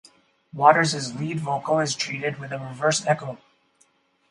Waters's lead vocal is treated with a reverse echo.